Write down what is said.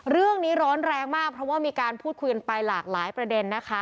เรื่องนี้ร้อนแรงมากเพราะว่ามีการพูดคุยกันไปหลากหลายประเด็นนะคะ